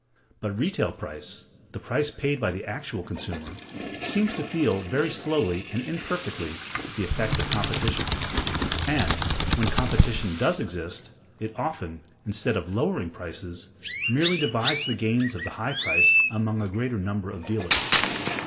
But retail price, the price paid by the actual consumer, seems to feel very slowly and imperfectly the effect of competition; and, when competition does exist, it often, instead of lowering prices, merely divides the gains of the high price among a greater number of dealers.